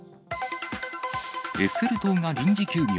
エッフェル塔が臨時休業。